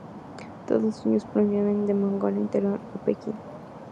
Todos ellos provienen de Mongolia Interior o Pekín.